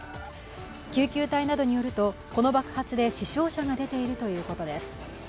救急隊などによると、この爆発で死傷者が出ているということです。